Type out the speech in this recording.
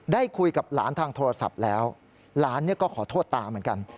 ได้คุยกับหลานทางโทรศัพท์แล้วหลานก็ขอโทษตาเหมือนกัน